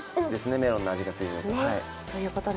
メロンの味がすると。